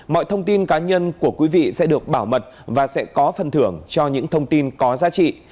mọi thông tin cá nhân của quý vị sẽ được bảo mật và sẽ có phần thưởng cho những thông tin có giá trị